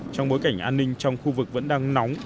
trong bối cảnh an ninh trong khu vực vẫn đang nóng